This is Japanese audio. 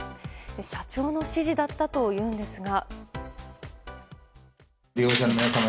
社長の指示だったというんですが。